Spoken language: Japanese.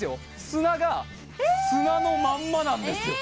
砂が砂のまんまなんですえ！